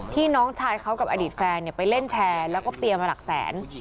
ที่น้องชายเขากับอดีตแฟนเนี้ยไปเล่นแฉนแล้วก็เปลี่ยนมาหลักแสน